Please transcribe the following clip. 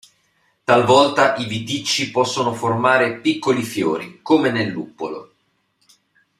Talvolta i viticci possono formare piccoli fiori, come nel luppolo.